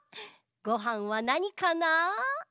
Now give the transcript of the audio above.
ごはんはなにかな？